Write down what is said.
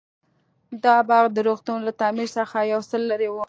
دا باغ د روغتون له تعمير څخه يو څه لرې و.